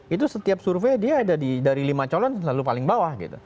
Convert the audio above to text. itu setiap survei dia ada dari lima calon selalu paling bawah gitu